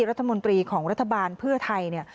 รัฐมนตรีของรัฐบาลเพื่อไทยเนี่ย